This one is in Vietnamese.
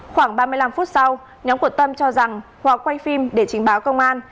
khoảng ba mươi năm phút sau nhóm của tâm cho rằng hòa quay phim để trình báo công an